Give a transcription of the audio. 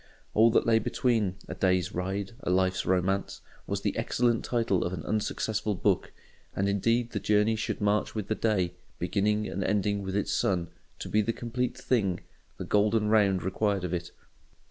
All that lay between! "A Day's Ride a Life's Romance" was the excellent title of an unsuccessful book; and indeed the journey should march with the day, beginning and ending with its sun, to be the complete thing, the golden round, required of it.